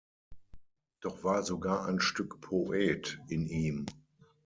Doch war sogar ein Stück Poet in ihm.